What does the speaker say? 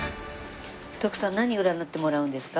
徳さん何占ってもらうんですか？